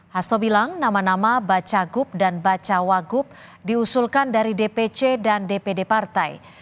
hasto bilang nama nama bacagub dan bacawagup diusulkan dari dpc dan dpd partai